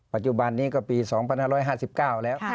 ปัจจุบันนี้ก็ปี๒๕๕๙แล้ว